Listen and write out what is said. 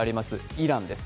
イランです。